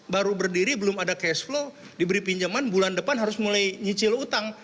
baru berdiri belum ada cash flow diberi pinjaman bulan depan harus mulai nyicil utang